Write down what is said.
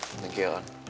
thank you man